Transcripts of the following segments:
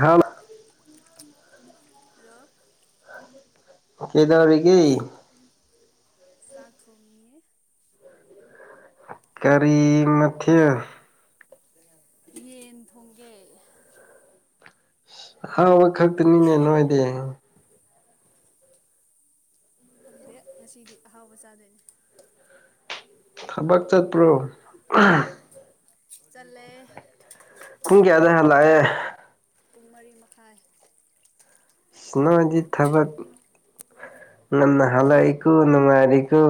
ꯍꯥꯎ ꯂꯣ ꯍꯜꯂꯣ [inaudible] ꯀꯦꯗꯧꯔꯤꯒꯦ ꯆꯥꯛ ꯊꯣꯡꯉꯤ ꯀꯔꯤ ꯃꯊꯦꯜ ꯌꯦꯟ ꯊꯣꯡꯒꯦ ꯑꯍꯥꯎ ꯈꯛꯇꯅꯤꯅꯦ ꯅꯣꯏꯗꯤ ꯈꯪꯗꯦ ꯉꯁꯤꯗꯤ ꯑꯍꯥꯎꯕ ꯆꯥꯗꯣꯏꯟ ꯊꯕꯛ ꯆꯠꯄ꯭ꯔꯣ ꯆꯜꯂꯦ ꯄꯨꯨꯡ ꯀꯌꯥꯗ ꯍꯥꯂꯛꯑꯦ ꯄꯨꯡ ꯃꯔꯤ ꯃꯈꯥꯏ ꯏꯁꯅꯣꯗꯤ ꯊꯕꯛ ꯉꯟꯅ ꯍꯜꯂꯛꯏꯀꯣ ꯅꯨꯡꯉꯥꯏꯔꯤꯀꯣ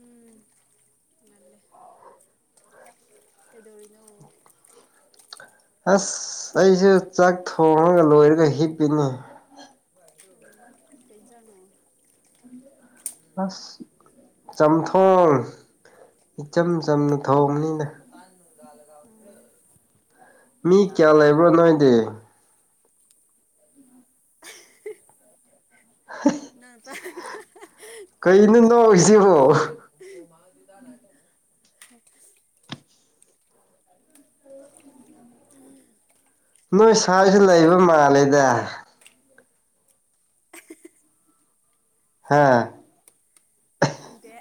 ꯎꯝ ꯉꯜꯂꯦ ꯀꯩꯗꯧꯔꯤꯅꯣ ꯑꯁ ꯑꯩꯁꯦ ꯆꯥꯛ ꯊꯣꯡꯉꯥꯒ ꯂꯣꯏꯔꯒ ꯍꯤꯞꯄꯤꯅꯤ [unintelligible] ꯀꯩ ꯏꯟꯖꯅꯣ ꯑꯁ ꯆꯝꯊꯣꯡ ꯏꯆꯝ ꯆꯝꯅ ꯇꯟ ꯊꯣꯡꯕꯅꯤꯅ ꯇꯥꯟ ꯒꯥꯂꯒ ꯎꯔꯦ ꯃꯤ ꯀꯌꯥ ꯂꯩꯕ꯭ꯔꯣ ꯅꯣꯏꯗꯤ ꯍꯩ [unintelligible] ꯀꯩꯅꯣ ꯅꯣꯛꯏꯁꯤꯕꯣ [unintelligible] [unintelligible] ꯅꯣꯏ ꯁꯥꯏꯖꯨ ꯂꯩꯕ ꯃꯥꯜꯂꯦꯗ ꯍꯥꯥ ꯈꯪꯗꯦ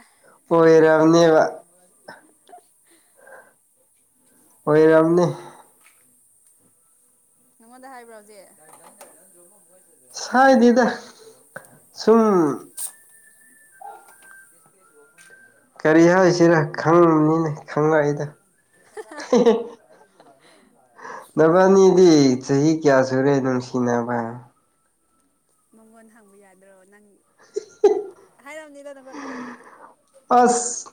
ꯑ ꯈꯟꯅꯤꯡꯕ ꯑꯣꯏꯔꯝꯅꯦꯕ ꯈꯟꯖꯧꯔꯣ ꯑꯣꯏꯔꯝꯅꯤ ꯅꯉꯣꯟꯗ ꯍꯥꯏꯕ꯭ꯔꯣ ꯍꯧꯖꯤ ꯁꯥꯏꯗꯦꯗ [unintelligible] [unintelligible] ꯁꯨꯝ [unintelligible] ꯀꯔꯤ ꯍꯥꯏꯁꯤꯔ ꯈꯪꯅꯤꯡꯅꯤꯅꯦ [unintelligible] ꯅꯕꯥꯅꯤꯗꯤ ꯆꯍꯤ ꯀꯌꯥ ꯁꯨꯔꯦ ꯅꯨꯡꯁꯤꯅꯕ ꯃꯡꯉꯣꯟ ꯍꯪꯕ ꯌꯥꯗ꯭ꯔꯣ ꯅꯪ ꯍꯥꯏꯔꯝꯅꯤꯗ ꯅꯥꯉꯣꯟꯗ ꯑꯁ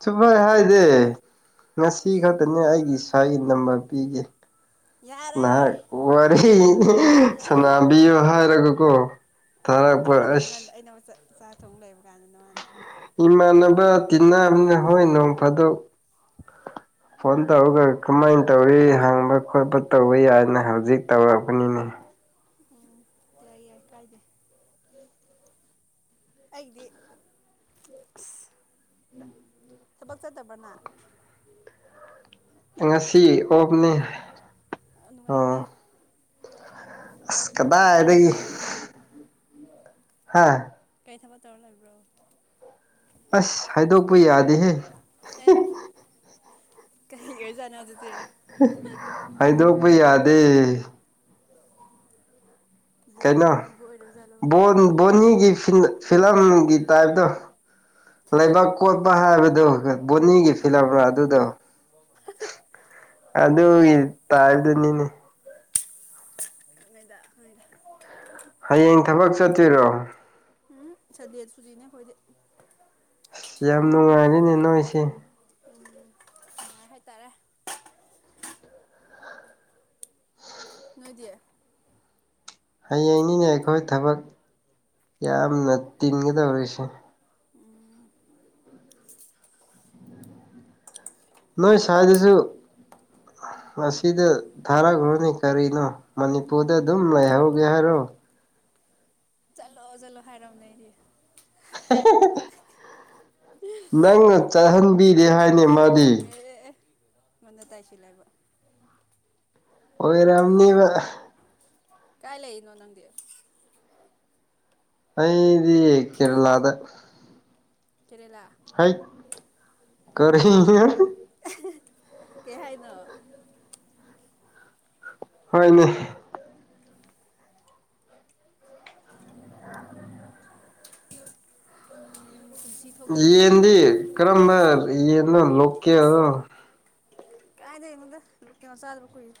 ꯁꯨꯝꯕ꯭ꯔꯣ ꯑꯩꯍꯥꯏꯗꯦ ꯉꯁꯤ ꯏꯁ ꯈꯛꯇꯅꯦ ꯑꯩꯒꯤ ꯏꯁꯥꯒꯤ ꯅꯝꯕꯔ ꯄꯤꯒꯦ ꯌꯥꯔꯦ ꯅꯍꯥꯛ ꯋꯥꯔꯤ ꯁꯅꯥꯕꯤꯌꯨ ꯍꯥꯏꯔꯒꯀꯣ ꯑꯥ ꯑꯗꯨꯒꯤꯅꯦ ꯊꯥꯔꯛꯄ ꯑꯩꯉꯣꯟꯗ ꯑꯁ ꯑꯩꯅ ꯋꯥ ꯆꯠ ꯆꯥꯛ ꯊꯣꯡ ꯂꯩꯕ ꯀꯥꯟꯗꯅ ꯃꯥꯅ ꯏꯃꯥꯟꯅꯕ ꯇꯤꯟꯅꯕꯅꯤꯅ [unintelligible] ꯍꯣꯏ ꯅꯣꯡ ꯐꯥꯗꯣꯛ [inaudible] ꯐꯣꯟ ꯇꯧꯔꯒ ꯀꯃꯥꯏꯅ ꯇꯧꯔꯤ ꯍꯥꯡꯕ ꯈꯣꯠꯄ ꯇꯧꯕ ꯌꯥꯏꯅ ꯍꯧꯖꯤꯛ ꯇꯧꯔꯛꯄꯅꯤꯅꯦ ꯎꯝ ꯂꯩꯌꯥ ꯀꯥꯏꯗꯦ ꯑꯩꯗꯤ ꯊꯕꯛ ꯆꯠꯇꯕꯅ ꯉꯁꯤ ꯑꯣꯞꯅꯤ ꯑꯣ ꯅꯨꯡꯉꯥꯏꯅꯦ [unintelligible] ꯑꯁ ꯀꯩ ꯊꯕꯛ ꯀꯗꯥꯏꯗꯒꯤ ꯇꯧꯔ ꯂꯩꯕ꯭ꯔꯣ ꯍꯥꯥ ꯀꯩ ꯊꯕꯛ ꯇꯧꯔ ꯂꯩꯕ꯭ꯔꯣ ꯑꯁ ꯍꯥꯏꯗꯣꯛꯄ ꯌꯥꯗꯦꯍꯦ ꯑꯦ ꯀꯩꯒꯤ ꯑꯣꯏꯖꯥꯠꯅꯣ ꯑꯗꯨꯗꯤ ꯍꯥꯏꯗꯣꯛꯄ ꯌꯥꯗꯦ [unintelligible] ꯀꯩꯅꯣ ꯑꯔꯨꯕ ꯑꯣꯏꯔꯕꯖꯥꯠꯂꯣ ꯕꯣꯟ ꯕꯣꯅꯤꯒꯤ [unintelligible] ꯐꯤꯂꯝꯒꯤ ꯇꯥꯏꯞꯇꯣ ꯂꯩꯕꯥꯛ ꯀꯣꯠꯄ ꯍꯥꯏꯕꯗꯣ [unintelligible] ꯕꯣꯅꯤꯒꯤ ꯎꯝ ꯐꯤꯂꯝꯔ ꯑꯗꯨꯗꯣ [unintelligible] ꯑꯗꯨꯒꯤ ꯇꯥꯢꯞꯇꯨꯅꯤꯅꯦ [unintelligible] ꯍꯌꯦꯡ ꯊꯕꯛ ꯆꯠꯇꯣꯏꯔꯣ [unintelligible] ꯁꯟꯗꯦ ꯁꯨꯇꯤꯅꯦ ꯑꯈꯣꯏꯗꯤ ꯑꯁ ꯌꯥꯝ ꯅꯨꯡꯉꯥꯏꯔꯤꯅꯦ ꯅꯣꯏꯁꯦ ꯎꯝ ꯅꯨꯉꯥꯢ ꯍꯥꯏꯇꯥꯔꯦ ꯅꯣꯏꯗꯤ ꯍꯌꯦꯡꯅꯤꯅꯦ ꯑꯩꯈꯣꯏ ꯊꯕꯛ ꯌꯥꯝꯅ ꯇꯤꯟꯒꯗꯧꯔꯤꯁꯦ ꯎꯝ ꯅꯣꯏ ꯁꯨꯋꯥꯏꯗꯁꯨ ꯑꯁꯤꯗ ꯊꯥꯔꯛꯔꯣꯅꯦ ꯀꯔꯤꯅꯣ ꯃꯅꯤꯄꯨꯔꯗ ꯑꯗꯨꯝ ꯂꯩꯍꯧꯒꯦ ꯍꯥꯏꯔꯣ ꯆꯠꯂꯣ ꯆꯠꯂꯣ ꯍꯥꯏꯔꯝꯅꯦ ꯑꯩꯗꯤ [unintelligible] ꯅꯪꯅ ꯆꯍꯟꯕꯤꯔꯦ ꯍꯥꯏꯅꯦ ꯃꯥꯗꯤ ꯑꯦ ꯑꯦ ꯑꯦ ꯑꯩꯉꯣꯟꯗ ꯇꯥꯏꯁꯤꯂꯦꯏꯕ ꯑꯣꯏꯔꯝꯅꯤꯕ ꯀꯥꯏ ꯂꯩꯏ ꯅꯣ ꯅꯪꯗꯤ ꯑꯩꯗꯤ ꯀꯦꯔꯂꯥꯗ ꯀꯦꯔꯦꯂꯥ ꯍꯩꯠ ꯀꯔꯤꯅꯣ ꯀꯩꯍꯥꯏꯅꯣ ꯍꯣꯏꯅꯦ ꯎꯝ [unintelligible] ꯌꯦꯟꯗꯤ ꯀꯔꯝꯕ ꯌꯦꯟꯅꯣ ꯂꯣꯀꯦꯜꯂꯣ ꯀꯥꯏꯗꯩꯅꯣꯗ ꯂꯣꯀꯦꯜ ꯆꯥꯗꯕ ꯀꯨꯏꯔꯦ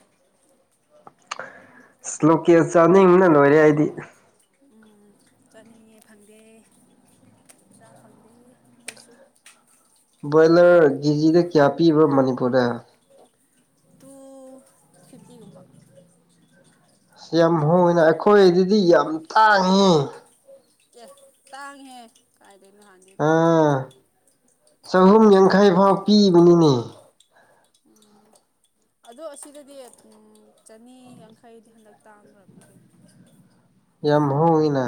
[unintelligible] ꯂꯣꯀꯦꯜ ꯆꯥꯅꯤꯡꯕꯅ ꯂꯣꯏꯔꯦ ꯑꯩꯗꯤ ꯎꯝ ꯆꯥꯅꯤꯡꯉꯦ ꯐꯪꯗꯦ ꯆꯥ ꯐꯪꯗꯦ ꯈꯣꯏꯁꯨ ꯕꯣꯏꯂꯔ ꯀꯦꯖꯤꯗ ꯀ꯭ꯌꯥ ꯄꯤꯕ꯭ꯔꯥ ꯃꯅꯤꯄꯨꯔꯗ ꯇꯨ ꯐꯤꯐꯇꯤꯒꯨꯝꯕ [unintelligible] ꯌꯥꯝ ꯍꯣꯡꯉꯦꯅ ꯑꯩꯈꯣꯏꯗꯗꯤ ꯌꯥꯝ ꯇꯥꯡꯉꯦ ꯑꯦ ꯇꯥꯡꯉꯦꯍꯦ ꯀꯥꯏꯗꯩꯅꯣꯍꯥꯟꯗꯤ ꯑꯗꯨꯃꯥꯏ ꯌꯧꯗꯦꯍꯦ꯫ ꯑꯥ ꯆꯍꯨꯝ ꯌꯥꯡꯈꯩꯐꯥꯎ ꯄꯤꯕꯅꯤꯅꯦ꯫ ꯎꯝ ꯑꯗꯣ ꯑꯁꯤꯗꯗꯤ ꯎꯝ ꯆꯅꯤ ꯌꯥꯡꯈꯩꯗꯤ ꯍꯟꯗꯛ ꯇꯥꯡꯒ꯭ꯔꯕꯅꯤ ꯀꯩꯅꯣ꯫ ꯌꯥꯝ ꯍꯣꯡꯉꯤꯅ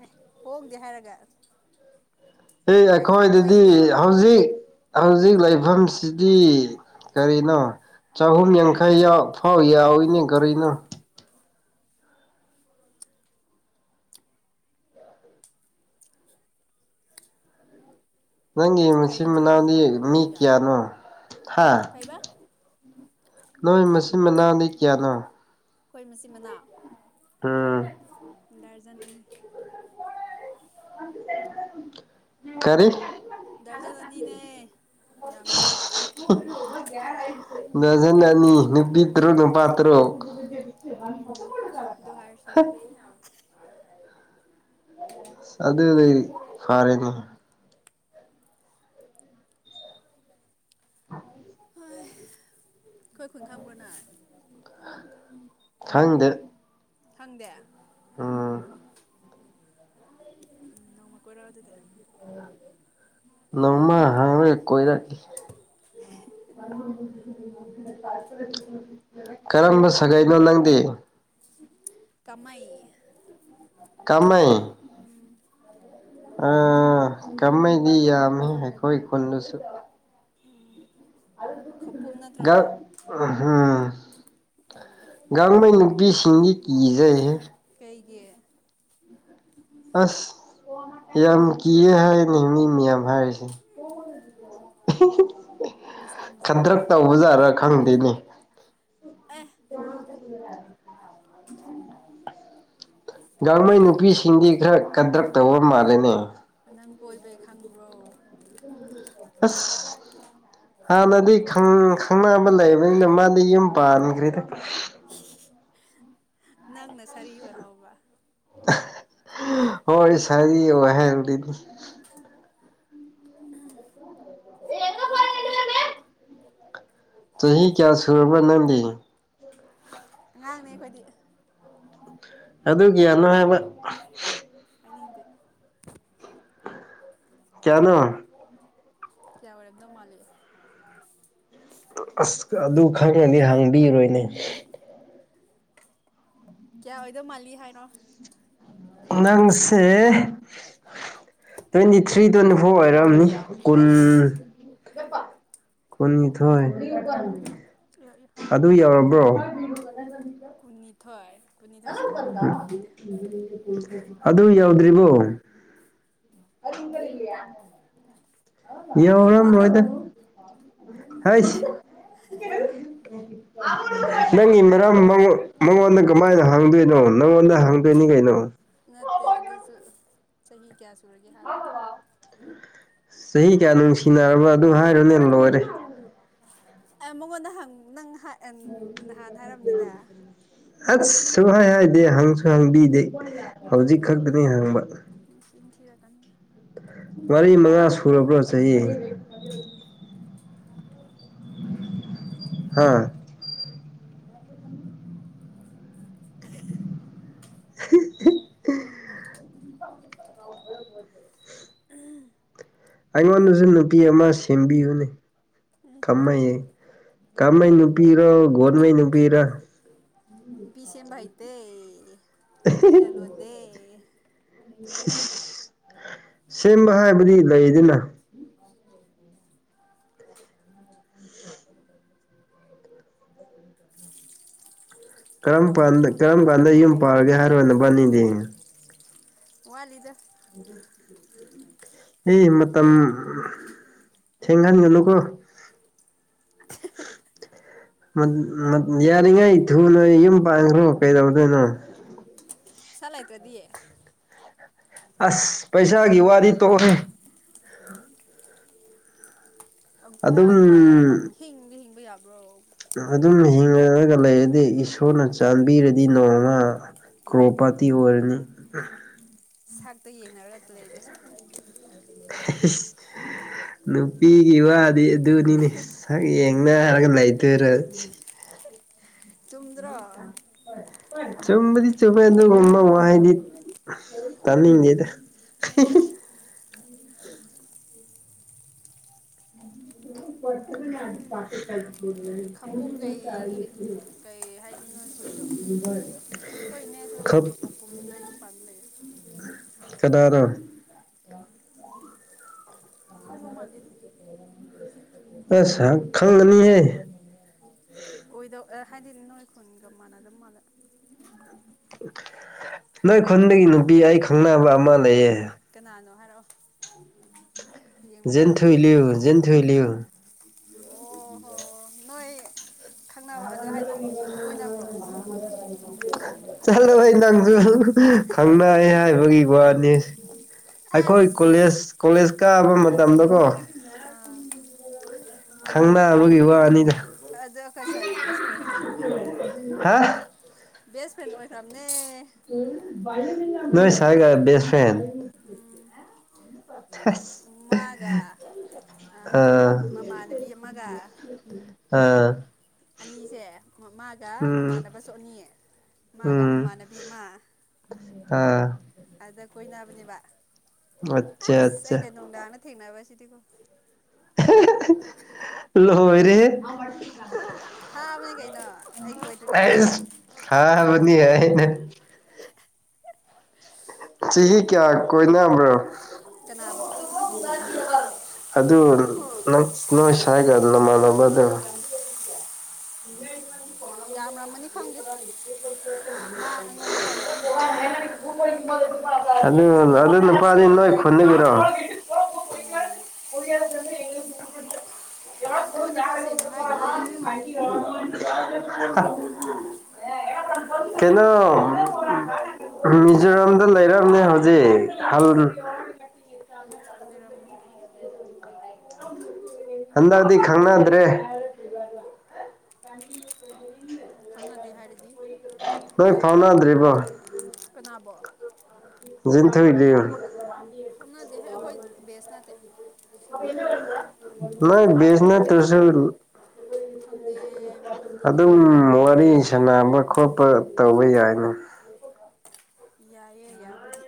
ꯑꯦ ꯍꯣꯗꯦ ꯍꯥꯏꯔꯒ ꯑꯦ ꯅꯣꯏꯗꯤ ꯑꯩꯈꯣꯏꯗꯗꯤ ꯅꯣꯏꯒꯤꯗꯤ ꯍꯣꯡꯔꯝꯅꯤ ꯍꯧꯖꯤꯛ ꯍꯧꯖꯤꯛ ꯂꯩꯕꯝꯁꯤꯗꯤ ꯀꯔꯤꯅꯣ ꯆꯍꯨꯝ ꯌꯥꯡꯈꯩ ꯌꯥꯎ ꯐꯥꯎ ꯌꯥꯎꯋꯤꯅꯦ ꯀꯔꯤꯅꯣ꯫ ꯅꯪꯒꯤ ꯀꯩ ꯃꯆꯤꯟ ꯏꯟꯁꯥꯡꯅ ꯃꯅꯥꯎꯗꯤ ꯍꯣꯡꯕ꯭ꯔꯣ ꯃꯤ ꯅꯣꯏꯗ ꯀꯌꯥꯅꯣ ꯍꯥ ꯀꯩꯕ ꯅꯣꯏ ꯃꯆꯤꯟ ꯃꯅꯥꯎꯅꯤ ꯀꯌꯅꯣ ꯈꯣꯏ ꯃꯆꯤꯟ ꯃꯅꯥꯎ ꯎꯝ ꯗꯔꯖꯟ ꯑꯅꯤ ꯀꯔꯤ ꯗꯔꯖꯟ ꯑꯅꯤꯅꯦ ꯌꯥꯝꯃꯦ ꯗꯔꯖꯟ ꯑꯅꯤ ꯅꯨꯄꯤ ꯇꯔꯨꯛ ꯎꯝ ꯅꯨꯄꯥ ꯇꯔꯨꯛ ꯎꯝ ꯗꯨ ꯍꯥꯏꯔꯁꯨ ꯌꯥꯔꯦ ꯑꯗꯨꯗꯤ ꯐꯔꯦꯗꯣ ꯈꯣꯏ ꯈꯨꯟ ꯈꯪꯕ꯭ꯔꯣ ꯅꯪ ꯈꯪꯗꯦ ꯈꯪꯗꯦ ꯎꯝ ꯎꯝ ꯅꯣꯡꯃꯀꯣꯏꯔꯛ ꯑꯣ ꯑꯗꯨꯗꯤ ꯅꯣꯡꯃ ꯍꯥꯡꯂꯦ ꯀꯣꯏꯔꯛꯀꯦ ꯀꯔꯝꯕ ꯁꯥꯒꯩꯅꯣ ꯅꯪꯗꯤ ꯀꯃꯩꯏ ꯀꯃꯩ ꯎꯝ ꯑꯥ ꯀꯝꯃꯩꯗꯤ ꯌꯥꯝꯃꯤ ꯑꯩꯈꯣꯏ ꯈꯨꯟꯗꯁꯨ ꯈꯧꯄꯨꯝ ꯅꯠꯇ꯭ꯔꯣ ꯒꯛ ꯅꯣꯏ ꯎꯝ ꯒꯥꯡꯃꯩꯅꯨꯄꯤꯁꯤꯡꯗꯤ ꯀꯤꯖꯩꯍꯦ ꯀꯩꯒꯤ ꯑꯁ ꯌꯥꯝ ꯀꯤꯌꯦ ꯍꯥꯏꯅꯦ ꯃꯤ ꯃꯌꯥꯝ ꯍꯥꯏꯔꯤꯁꯦ꯫ ꯃꯁꯥ ꯃꯁꯥꯗ ꯈꯗ꯭ꯔꯛ ꯂꯩ ꯀꯩꯅꯣ ꯇꯧꯕꯖꯥꯔꯥ ꯈꯪꯗꯦꯅꯦ ꯑꯦ [inaudible] ꯒꯥꯡꯃꯩ ꯅꯪ ꯅꯨꯄꯤꯁꯤꯡꯗꯤ ꯈꯔ ꯈꯗ꯭ꯔꯛ ꯇꯧꯕ ꯃꯥꯜꯂꯦꯅꯦ꯫ ꯅꯪ ꯀꯣꯏꯕꯩ ꯈꯪꯕ꯭ꯔꯣ ꯑꯁ ꯍꯥꯟꯅꯗꯤ ꯈꯪ ꯈꯪꯅꯕ ꯂꯩꯕꯅꯤꯅ ꯃꯥꯗꯤ ꯌꯨꯝ ꯄꯥꯟꯈ꯭ꯔꯦꯗ ꯅꯪꯅ ꯁꯥꯔꯤ ꯑꯣꯏ ꯍꯧꯕ ꯍꯣꯏ ꯁꯔꯤ ꯑꯣꯏꯍꯟꯕꯤꯅꯤ ꯆꯍꯤ ꯀꯌꯥ ꯁꯨꯔꯕ꯭ꯔ ꯅꯪꯗꯤ ꯑꯉꯥꯡꯅꯦ ꯑꯈꯣꯏꯗꯤ ꯑꯗꯨꯒꯤꯌꯥꯅꯣ ꯍꯥꯏꯕ ꯍꯥꯏꯅꯤꯡꯗꯦ ꯀ꯭ꯌꯥꯅꯣ ꯀꯌꯥ ꯑꯣꯏꯔꯝꯗꯧ ꯃꯥꯜꯂꯤ ꯑꯁ ꯑꯗꯨ ꯈꯪꯉꯦꯗꯤ ꯍꯪꯕꯤꯔꯣꯏꯅꯦ ꯀꯌꯥ ꯑꯣꯏꯗꯧ ꯃꯥꯜꯂꯤ ꯍꯥꯏꯔꯛꯑꯣ ꯅꯪꯁꯦ ꯇ꯭ꯋꯦꯟꯇꯤ ꯊ꯭ꯔꯤ ꯇ꯭ꯋꯦꯟꯇꯤ ꯐꯣꯔ ꯑꯣꯏꯔꯝꯅꯤ ꯀꯨꯟ ꯑꯩꯁ ꯀꯨꯟꯅꯤꯊꯣꯏ ꯏꯌꯣ ꯏꯌꯣ ꯑꯗꯨ ꯌꯧꯔꯕ꯭ꯔꯣ ꯀꯨꯟꯅꯤꯊꯣꯏ ꯀꯨꯟꯅꯤꯊꯣꯏꯁꯤ ꯀꯌꯥ ꯅꯣ ꯑꯩꯈꯪꯗꯦ ꯑꯗꯨ ꯌꯧꯗ꯭ꯔꯤꯕꯣ ꯑꯗꯨ [unintelligible] ꯍꯪꯉꯣ ꯌꯧꯔꯦ ꯃꯉꯣꯟꯗ ꯃꯣꯏꯗ ꯍꯥꯏꯁ [unintelligible] ꯅꯪꯒꯤ ꯃꯔꯝ ꯃꯉꯣꯟ ꯃꯉꯣꯟꯗ ꯀꯃꯥꯏꯅ ꯍꯡꯗꯣꯏꯅꯣ ꯅꯪꯉꯣꯟꯗ ꯍꯡꯗꯣꯏꯅꯤ ꯀꯩꯅꯣ ꯅꯠꯇꯦ ꯑꯗꯨꯁꯨ ꯆꯍꯤ ꯀꯌꯥ ꯁꯨꯔꯒꯦ ꯍꯥꯏꯕ ꯆꯍꯤ ꯀꯌꯥ ꯅꯨꯡꯁꯤꯅꯔꯕ ꯑꯗꯨ ꯍꯥꯏꯔꯣꯅꯦ ꯂꯣꯏꯔꯦ ꯑꯦ ꯃꯉꯣꯟꯗ ꯍꯡ ꯅꯪ ꯍꯥꯏ ꯅꯍꯥꯟ ꯍꯥꯏꯔꯝꯅꯤꯗ ꯑꯁ ꯁꯨꯡ ꯍꯥꯏ ꯍꯥꯏꯗꯦ ꯍꯪꯁꯨ ꯍꯪꯕꯤꯗꯦ ꯍꯧꯖꯤꯛ ꯈꯛꯇꯅꯦ ꯍꯪꯕ ꯅꯆꯤꯟ ꯊꯤꯔꯛꯀꯅꯨ ꯃꯔꯤ ꯃꯉꯥ ꯁꯨꯔꯕ꯭ꯔꯣ ꯆꯍꯤ ꯍꯥꯥ [unintelligible] [unintelligible] ꯑꯩꯉꯣꯟꯗꯁꯨ ꯅꯨꯄꯤ ꯑꯃ ꯁꯦꯝꯕꯤꯌꯨꯅꯦ ꯀꯝꯃꯩ ꯀꯝꯃꯩ ꯅꯨꯄꯤꯔꯣ ꯒꯣꯟꯃꯩ ꯅꯨꯄꯤꯔ ꯅꯨꯄꯤ ꯁꯦꯝꯕꯥ ꯍꯩꯇꯦ ꯅꯨꯄꯤ ꯂꯂꯣꯟꯗꯦ ꯁꯦꯝꯕ ꯍꯥꯏꯕꯗꯤ ꯂꯩꯗꯅ ꯀꯔꯝ ꯄꯥꯟꯗ ꯀꯔꯝ ꯀꯥꯟꯗ ꯌꯨꯝ ꯄꯥꯔꯒꯦ ꯍꯥꯏꯔꯣ ꯅꯕꯥꯅꯤꯗꯤ ꯋꯥꯠ ꯂꯤꯗ [unintelligible] ꯑꯦ ꯃꯇꯝ ꯊꯦꯡꯍꯟꯒꯅꯨꯀꯣ [unintelligible] ꯌꯥꯔꯤꯉꯩ ꯊꯨꯅ ꯌꯨꯝ ꯄꯥꯟꯈ꯭ꯔꯣ ꯀꯩꯗꯧꯗꯣꯏꯅꯣ ꯄꯩꯁꯥ ꯂꯩ ꯇꯔꯥꯗꯤ ꯑꯁ ꯄꯩꯁꯥꯒꯤ ꯋꯥꯔꯤ ꯇꯣꯛꯑꯣꯍꯦ ꯄꯪ ꯑꯗꯨꯝ ꯄꯥꯟ ꯄꯥꯜꯂꯒ ꯄꯪ ꯍꯤꯡꯗ ꯍꯤꯡꯕ ꯌꯥꯕ꯭ꯔꯣ ꯑꯗꯨꯝꯅ ꯍꯤꯡꯉꯛꯑꯒ ꯂꯩꯔꯗꯤ ꯏꯁꯣꯔꯅ ꯆꯥꯟꯕꯤꯔꯗꯤ ꯅꯣꯡꯃ ꯎꯝ ꯀ꯭ꯔꯣꯄꯥꯇꯤ ꯑꯣꯏꯔꯅꯤ ꯁꯥꯛꯇꯣ ꯌꯦꯡꯅꯔꯒ ꯂꯩꯗꯣꯏ ꯁꯥ ꯂ [unintelligible] ꯅꯨꯄꯤꯒꯤ ꯋꯥꯗꯤ ꯑꯗꯨꯅꯤꯅꯦ ꯁꯛ ꯌꯦꯡꯅꯔꯒ ꯂꯩꯗꯣꯏꯔ ꯆꯨꯝꯗ꯭ꯔꯣ ꯆꯨꯝꯕꯗꯤ ꯆꯨꯝꯃꯦ ꯑꯗꯨꯒꯨꯝꯕ ꯋꯥꯍꯩꯗꯤ ꯇꯥꯅꯤꯡꯗꯦꯗ ꯎꯝ ꯈꯄꯨꯝ ꯀꯩ [unintelligible] ꯀꯩ [unintelligible] ꯑꯈꯣꯏꯅꯦꯁꯨ ꯈꯧꯄꯨꯝꯗ ꯌꯨꯝ ꯄꯥꯟꯕ ꯂꯩꯌꯦ ꯀꯗꯥꯔꯣ ꯈꯪꯗꯧ ꯃꯥꯥꯟꯗꯦꯅ [unintelligible] ꯈꯪꯒꯅꯤꯌꯦ ꯑꯣꯏꯗꯧ [unintelligible] ꯍꯥꯏꯗꯤ ꯅꯣꯏ ꯈꯨꯟꯒ ꯃꯥꯟꯅꯗꯕ ꯃꯥꯜꯂꯦ ꯅꯣꯏ ꯈꯨꯟꯗꯒꯤ ꯅꯨꯄꯤ ꯑꯩ ꯈꯪꯅꯕ ꯑꯃ ꯂꯩꯌꯦ ꯀꯅꯥꯅꯣ ꯍꯥꯏꯔꯛꯑꯣ ꯌꯦꯡꯕ ꯇꯥꯔꯦ ꯖꯤꯟꯊꯣꯢꯂ꯭ꯌꯨ ꯖꯤꯟꯊꯣꯢꯂ꯭ꯌꯨ ꯑꯣ ꯍꯣ ꯅꯣꯏ ꯈꯪꯅꯕ ꯑꯗꯣ ꯍꯥꯏꯗꯤ ꯀꯣꯏꯅꯕ꯭ꯔꯣ [unintelligible] ꯆꯠꯂꯣꯍꯦ ꯅꯪꯁꯨ ꯈꯪꯅꯩ ꯍꯥꯏꯕꯒꯤ ꯋꯥꯅꯤ ꯑꯩꯈꯣꯏ ꯑꯁ ꯀꯣꯂꯦꯖ ꯀꯣꯂꯦꯖ ꯀꯥꯕ ꯃꯇꯝꯗꯀꯣ ꯑꯥ ꯈꯪꯅꯥꯕꯒꯤ ꯋꯥꯅꯤꯗ ꯑꯗꯣ ꯑꯩꯈꯣꯏ ꯁꯥꯏꯒꯤ ꯕꯦꯁ ꯐ꯭ꯔꯦꯟ ꯍꯥ ꯕꯦꯁ ꯐ꯭ꯔꯦꯟ ꯑꯣꯏꯈ꯭ꯔꯝꯅꯦ [unintelligible] ꯅꯣꯏ ꯁꯥꯏꯒ ꯕꯦꯁ ꯐ꯭ꯔꯦꯟ ꯎꯝ [unintelligible] ꯃꯥꯒ ꯑ ꯑꯥ ꯃꯃꯥꯟꯅꯕꯤ ꯑꯃꯒ ꯑꯥ ꯑꯅꯤꯁꯦ ꯃꯥꯒ ꯎꯝ ꯃꯃꯥꯟꯅꯕꯁꯨ ꯑꯅꯤ ꯃꯥꯒ ꯎꯝ ꯃꯃꯥꯟꯅꯕꯤ ꯑꯃ ꯑꯥ ꯑꯗꯥ ꯀꯣꯏꯅꯕꯅꯦꯕ ꯑꯠꯆꯥ ꯑꯁ ꯑꯠꯆꯥ ꯑꯩꯅ ꯅꯨꯡꯗꯥꯡꯗ ꯊꯦꯡꯅꯕꯁꯤꯗꯤꯀꯣ ꯂꯣꯏꯔꯦꯍꯦ ꯐꯥꯕꯅꯦ ꯀꯩꯅꯣ ꯑꯩ ꯀꯣꯏꯗ꯭ꯔꯤꯀꯥꯟꯗ ꯐꯥꯕꯅꯤ ꯍꯥꯢꯅꯦꯍꯦ ꯆꯍꯤ ꯀ꯭ꯌꯥ ꯀꯣꯏꯅꯕ꯭ꯔꯣ ꯀꯅꯥꯕꯣ ꯑꯗꯨ [unintelligible] ꯅꯣꯏ ꯁꯥꯏꯒ ꯅꯃꯥꯟꯅꯕꯗꯣ [unintelligible] ꯌꯥꯝꯔꯝꯃꯅꯤ ꯈꯪꯗꯦ [unintelligible] ꯃꯥ ꯑꯩꯉꯣꯟꯗ ꯐꯥꯎ ꯂꯣꯠꯂꯤꯗ [unintelligible] ꯑꯗꯨ ꯁꯦꯡꯅ ꯑꯗꯨ ꯈꯣ ꯅꯨꯄꯥꯗꯤ ꯁꯦꯡꯅ ꯅꯣꯏ ꯍꯥꯏꯗꯤꯌꯦ ꯈꯨꯟꯗꯒꯤꯔꯣ [unintelligible] ꯎꯝ ꯑꯩꯉꯣꯟꯗꯐꯥꯎ ꯁꯦꯡꯅ ꯍꯥꯏꯗꯤꯌꯦ [unintelligible] [unintelligible] [unintelligible] ꯀꯩꯅꯣ [unintelligible] ꯃꯤꯖꯣꯔꯥꯝꯗ ꯂꯩꯔꯝꯅꯦ ꯍꯧꯖꯤꯛ ꯍꯜ ꯂꯩꯔꯝꯒꯅꯤ ꯍꯟꯗꯛꯗꯤ ꯈꯪꯅꯗ꯭ꯔꯦ [unintelligible] ꯑꯃꯗꯤ ꯍꯥꯏꯔꯗꯤ ꯅꯣꯏ ꯐꯥꯎꯅꯗ꯭ꯔꯤꯕꯣ ꯀꯅꯥꯕꯣ ꯂꯤꯟꯊꯣꯏꯂꯤꯌꯨ ꯐꯥꯎꯅꯗꯦꯍꯦ ꯑꯩꯈꯣꯏ ꯕꯦꯁ ꯅꯠꯇꯦ ꯁꯤꯅꯤꯌꯔꯅꯦ ꯅꯣꯏ ꯕꯦꯁ ꯅꯠꯇ꯭ꯔꯖꯨ ꯈꯪꯗꯦ ꯐꯥꯎꯅꯗꯤꯌꯦ ꯑꯗꯨꯝ ꯋꯥꯔꯤ ꯁꯅꯥꯕ ꯈꯣꯠꯄ ꯇꯧꯕ ꯌꯥꯏꯅꯦ ꯌꯥꯏꯌꯦ ꯌꯥꯕꯨꯗꯤ